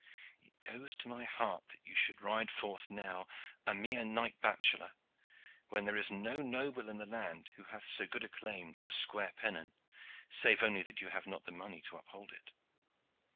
It goes to my heart that you should ride forth now a mere knight bachelor, when there is no noble in the land who hath so good a claim to the square pennon, save only that you have not the money to uphold it."